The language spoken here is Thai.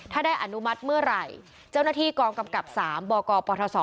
ถ้าได้อนุมัติเมื่อไหร่เจ้าหน้าที่กองกำกับ๓บกปศ